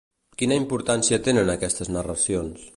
Quina importància tenen aquestes narracions?